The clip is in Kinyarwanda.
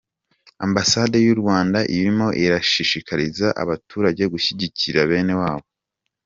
Ambasade y’u Rwanda irimo irashishikariza abaturage gushyigikira bene wabo